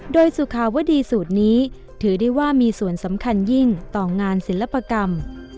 โดยสุขาวดีสูตรนี้ถือได้ว่ามีส่วนสำคัญยิ่งต่องานศิลปกรรม